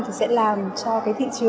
thì sẽ làm cho thị trường tiêu dùng